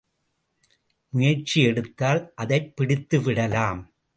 முயற்சி எடுத்தால், அதைப் பிடித்துவிடலாம்.